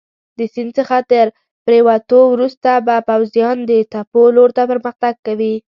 د سیند څخه تر پورېوتو وروسته به پوځیان د تپو لور ته پرمختګ کوي.